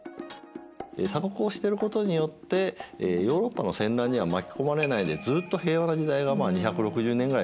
鎖国をしてることによってヨーロッパの戦乱には巻き込まれないでずっと平和な時代が２６０年ぐらい続いたってのがいいですね。